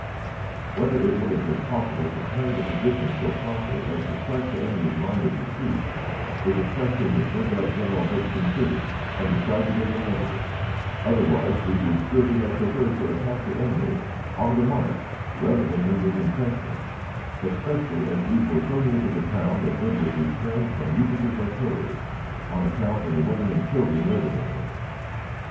Whether it would have been possible to turn the position so promptly as to strike the enemy's line of retreat is a question which no doubt General Hood considered and decided in the negative, otherwise he would surely have preferred to attack the enemy on the march rather than in his intrenchments, especially as these were so near to the town that Hood was restrained from using his artillery on account of the women and children resident in it.